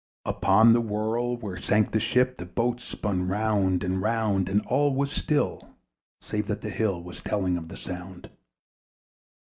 Upon the whirl, where sank the ship, The boat spun round and round; And all was still, save that the hill Was telling of the sound.